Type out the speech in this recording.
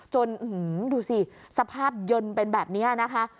ดูสิสภาพยนต์เป็นแบบนี้นะคะ